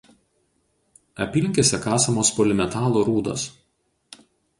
Apylinkėse kasamos polimetalų rūdos.